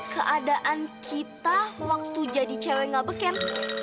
keadaan kita waktu jadi cewek gak beken